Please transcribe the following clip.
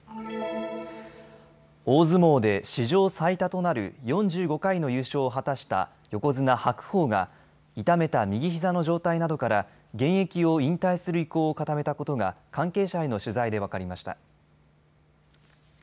大相撲で史上最多となる４５回の優勝を果たした横綱・白鵬が痛めた右ひざの状態などから現役を引退する意向を固めたことが関係者への取材で分かりました。